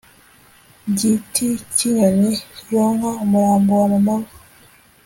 gitikinyoni yonka umurambo wa mama we